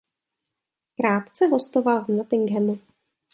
Krátce hostoval v Nottinghamu.